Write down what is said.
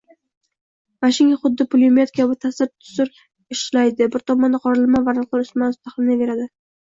Mashinka xuddi pulemyot kabi tasira-tusir ishlaydi, bir tomonda qoralama varaqlar ustma-ust taxlanaveradi